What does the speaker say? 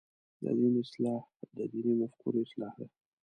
د دین اصلاح د دیني مفکورې اصلاح ده.